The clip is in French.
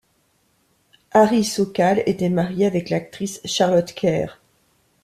Harry Sokal était marié avec l'actrice Charlotte Kerr.